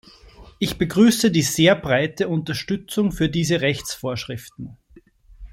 Ich begrüße die sehr breite Unterstützung für diese Rechtsvorschriften.